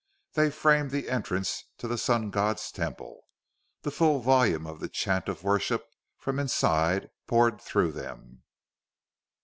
They framed the entrance to the Sun God's Temple. The full volume of a chant of worship from inside poured through them.